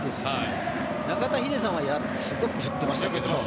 中田英寿さんはすごくやってましたけど。